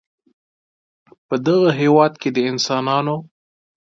په دغه هېواد کې د انسانانو